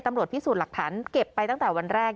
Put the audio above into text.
ตำรวจพิสูจน์หลักฐานเก็บไปตั้งแต่วันแรก